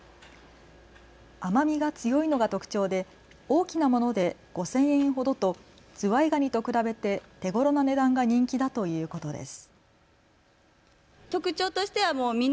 甘みが強いのが特徴で大きなもので５０００円ほどとズワイガニと比べて手ごろな値段が人気だということです。